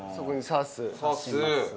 刺します。